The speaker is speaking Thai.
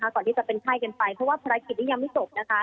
ก่อนที่จะเป็นไข้กันไปเพราะว่าภารกิจนี้ยังไม่จบนะคะ